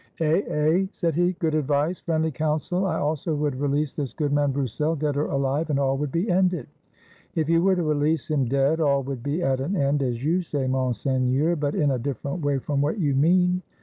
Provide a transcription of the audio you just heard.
"Eh, eh!" said he, "good advice, friendly counsel. I also would release this good man Broussel, dead or alive, and all would be ended." "If you were to release him dead, all would be at an end, as you say, Monseigneur, but in a different way from what you mean."